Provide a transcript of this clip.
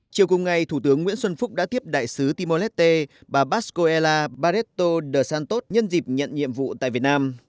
chiều cùng ngày thủ tướng nguyễn xuân phúc đã tiếp đại sứ timolete bà pascoella barreto de santos nhân dịp nhận nhiệm vụ tại việt nam